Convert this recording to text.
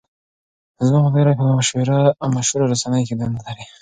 زما ملګری په یوه مشهوره رسنۍ کې دنده لري.